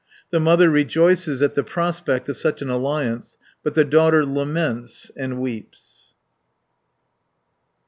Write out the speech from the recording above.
The mother rejoices at the prospect of such an alliance, but the daughter laments and weeps (525 580).